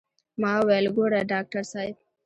ما وويل ګوره ډاکتر صاحب.